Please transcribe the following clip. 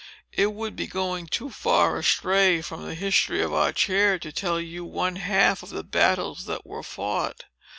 It would be going too far astray from the history of our chair, to tell you one half of the battles that were fought.